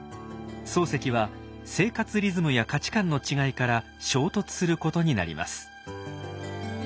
漱石は生活リズムや価値観の違いから衝突することになります。